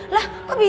lah kok bisa